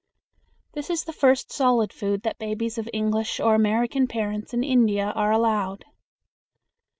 This is the first solid food that babies of English or American parents in India are allowed.